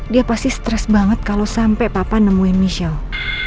dia pasti stres banget kalau sampai papa nemuin michelle